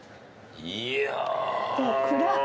いや。